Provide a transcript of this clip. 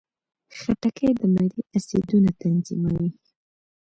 خټکی د معدې اسیدونه تنظیموي.